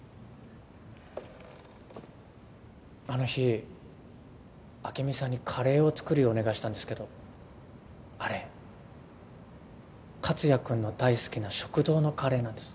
あの日朱美さんにカレーを作るようお願いしたんですけどあれ克哉君の大好きな食堂のカレーなんです。